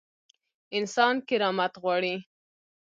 انسان کرامت غواړي